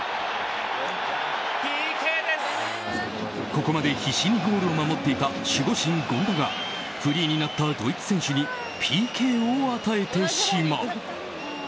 ここまで必死にゴールを守っていた守護神・権田がフリーになったドイツ選手にＰＫを与えてしまう。